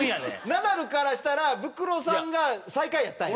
ナダルからしたらブクロさんが最下位やったんや？